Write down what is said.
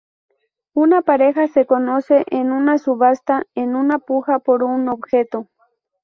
Una pareja se conoce en una subasta en una puja por un objeto.